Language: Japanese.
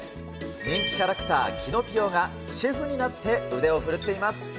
人気キャラクター、キノピオがシェフになって腕を振るっています。